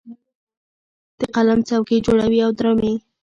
د قلم څوکې جوړوي او درومې